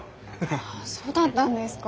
ああそうだったんですか。